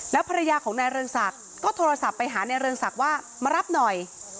ภรรยาของนายเรืองศักดิ์ก็โทรศัพท์ไปหานายเรืองศักดิ์ว่ามารับหน่อย